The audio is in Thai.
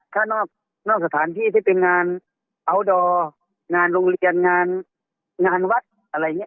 ถ้านอกสถานที่ที่เป็นงานอัลดอร์งานโรงเรียนงานวัดอะไรอย่างนี้